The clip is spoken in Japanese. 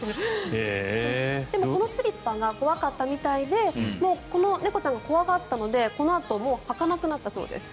でも、このスリッパが怖かったみたいでこの猫ちゃんが怖がったのでもうこのあとは履かなくなったそうです。